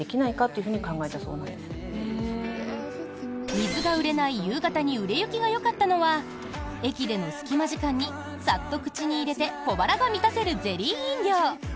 水が売れない夕方に売れ行きがよかったのは駅での隙間時間にサッと口に入れて小腹が満たせるゼリー飲料。